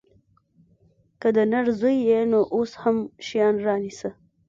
که د نر زوى يې نو اوس هم شيان رانيسه.